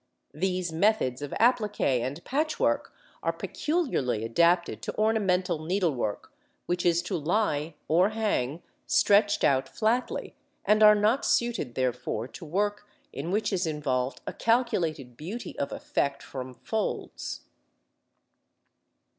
These methods of appliqué and patchwork are peculiarly adapted to ornamental needlework which is to lie, or hang, stretched out flatly, and are not suited therefore to work in which is involved a calculated beauty of effect from folds.